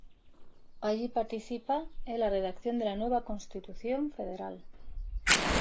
Allí participa en la redacción de la nueva Constitución federal.